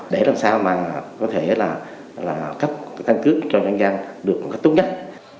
để làm sao mà có thể là cấp căn cước cho nhân dân được tốt nhất